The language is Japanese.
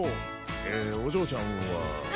えーお嬢ちゃんは？